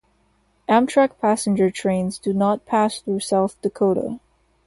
Amtrak passenger trains do not pass through South Dakota.